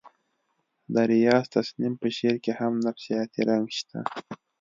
د ریاض تسنیم په شعر کې هم نفسیاتي رنګ شته